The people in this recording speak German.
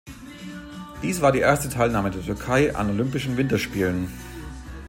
Dies war die erste Teilnahme der Türkei an Olympischen Winterspielen.